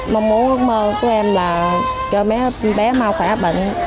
mong mong ước mơ của em là cho bé mau khỏe bệnh